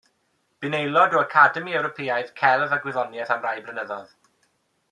Bu'n aelod o Academi Ewropeaidd Celf a Gwyddoniaeth am rai blynyddoedd.